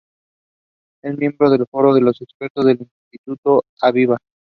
Es miembro del Foro de Expertos del Instituto Aviva.